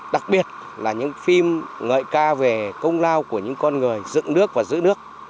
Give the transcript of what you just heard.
đặc biệt là những phim ngợi ca về công lao của những con người dựng nước và giữ nước